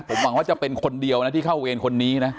ผมหวังว่าจะเป็นคนเดียวนะที่เข้าเวรคนนี้นะ